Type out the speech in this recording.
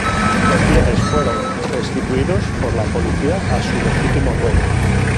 Los bienes fueron restituidos por la policía a su legítimo dueño.